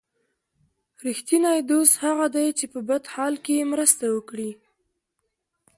رښتینی دوست هغه دی چې په بد حال کې مرسته وکړي.